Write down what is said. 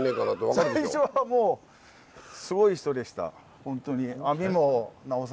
最初はもうすごい人でしたホントに。